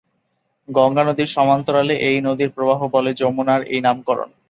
গঙ্গা নদীর সমান্তরালে এই নদীর প্রবাহ বলে যমুনার এই নামকরণ।